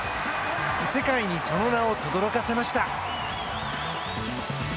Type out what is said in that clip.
世界にその名をとどろかせました。